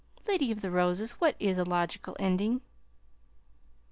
Lady of the Roses, what is a logical ending?"